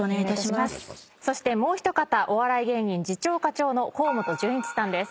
そしてもう一方お笑い芸人次長課長の河本準一さんです。